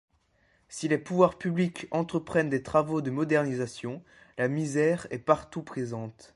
Si les pouvoirs publics entreprennent des travaux de modernisation, la misère est partout présente.